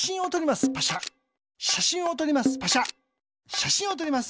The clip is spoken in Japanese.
しゃしんをとります。